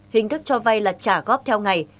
hình thức cho vay là trả góp theo ngày